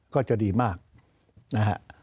ก็จะดีมากนะครับ